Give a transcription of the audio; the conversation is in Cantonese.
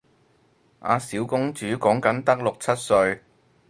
阿小公主講緊得六七歲